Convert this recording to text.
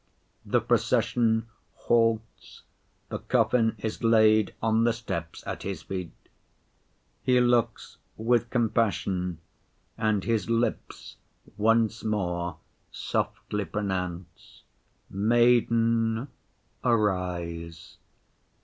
The procession halts, the coffin is laid on the steps at His feet. He looks with compassion, and His lips once more softly pronounce, 'Maiden, arise!